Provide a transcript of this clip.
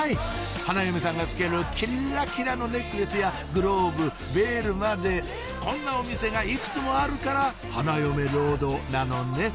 花嫁さんが着けるキッラキラのネックレスやグローブベールまでこんなお店がいくつもあるから花嫁ロードなのね